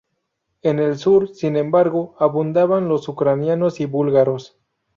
En el sur, sin embargo, abundaban los ucranianos y búlgaros.